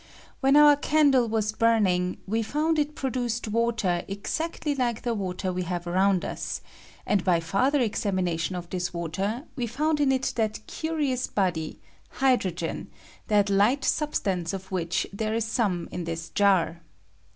When our candle was burning we found it produced water exact ly like the water we have around us ; and by fitrther examination of this water we found in it that curious body, hydrogen — that hght sub stance of which there is some in this jar.